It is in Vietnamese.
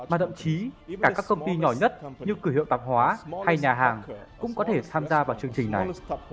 mà thậm chí cả các công ty nhỏ nhất như cửa hiệu tạp hóa hay nhà hàng cũng có thể tham gia vào chương trình này